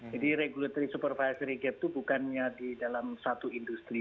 jadi regulatory supervisory gap itu bukannya di dalam satu industri